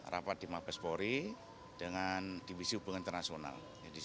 rapat di mabespori dengan divisi hubungan internasional